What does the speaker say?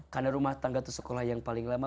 karena rumah tangga itu sekolah yang paling lama